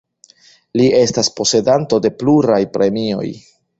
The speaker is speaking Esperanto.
Li estas posedanto de pluraj premioj.